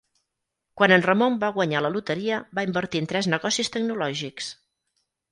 Quan en Ramon va guanyar la loteria va invertir en tres negocis tecnològics.